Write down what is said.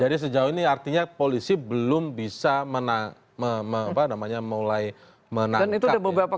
jadi sejauh ini artinya polisi belum bisa menangkap